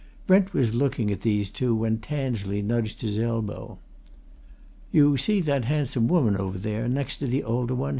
Brent was looking at these two when Tansley nudged his elbow. "You see that handsome woman over there next to the older one?"